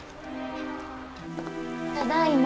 ただいま。